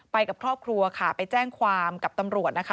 ไปกับครอบครัวค่ะไปแจ้งความกับตำรวจนะคะ